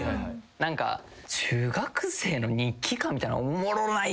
何か中学生の日記かみたいな。